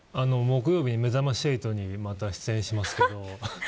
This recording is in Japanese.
木曜日にめざまし８にまた出演しますけど。